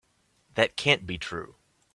That can't be true.